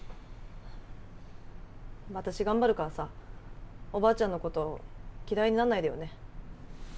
私頑張るからさおばあちゃんのこと嫌いになんないでよね。